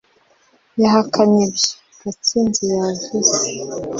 yahakanye ibyo. gatsinzi yavuze